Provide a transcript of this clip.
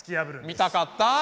見たかった。